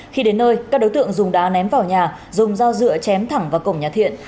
khi đến nơi các đối tượng dùng đá ném vào nhà dùng dao dựa chém thẳng vào cổng nhà thiện